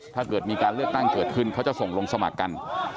ถ้าเกิดมีการเลือกตั้งเกิดขึ้นเขาจะส่งลงสมัครกัน